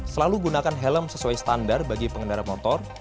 selalu gunakan helm sesuai standar bagi pengendara motor